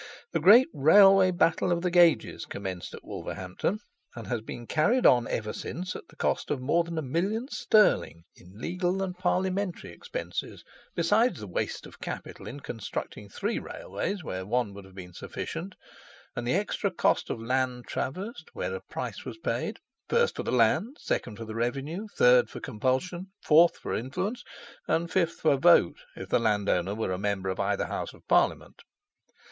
The great railway battle of the gauges commenced at Wolverhampton, and has been carried on ever since at the cost of more than a million sterling in legal and parliamentary expenses, beside the waste of capital in constructing three railways where one would have been sufficient, and the extra cost of land traversed where a price was paid, 1st, for the land; 2nd, for the revenue; 3rd, for compulsion; 4th, for influence, and 5th, for vote, if the landowner were a member of either House of Parliament.